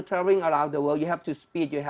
anda harus berbicara anda harus pergi ke dunia